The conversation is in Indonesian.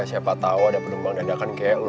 siapa tau ada penumpang dandakan kayak lo